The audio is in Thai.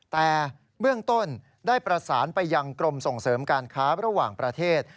แต่เบื้องต้นได้ประสานไปยังกรมส่งเสริมการค้าระหว่างประเทศ